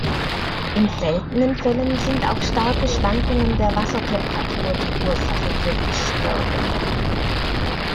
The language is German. In seltenen Fällen sind auch starke Schwankungen der Wassertemperatur die Ursache für Fischsterben.